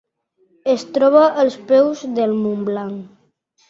Es troba als peus del Mont Blanc.